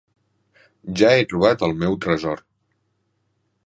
Ja he trobat el meu tresor.